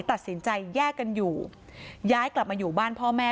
ตัดสินใจแยกกันอยู่ย้ายกลับมาอยู่บ้านพ่อแม่